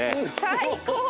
最高！